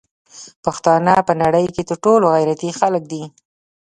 پښتانه په نړی کی تر ټولو غیرتی خلک دی